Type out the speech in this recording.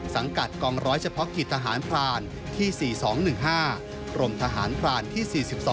สังกัดกองร้อยเฉพาะกิจทหารพรานที่๔๒๑๕กรมทหารพรานที่๔๒